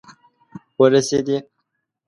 ورسیدي